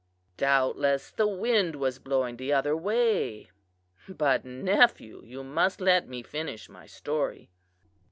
"Doubtless the wind was blowing the other way. But, nephew, you must let me finish my story.